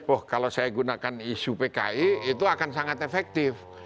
oh kalau saya gunakan isu pki itu akan sangat efektif